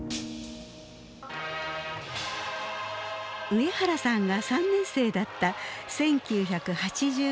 上原さんが３年生だった１９８７年。